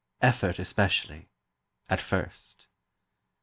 Effort, especially—at first.